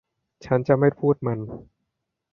ฉันจะไม่พูดมัน